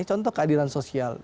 contoh keadilan sosial